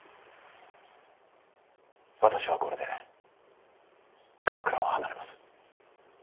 私はこれで鎌倉を離れます。